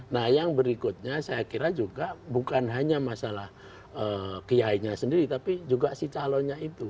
nah yang berikutnya saya kira juga bukan hanya masalah kiainya sendiri tapi juga si calonnya itu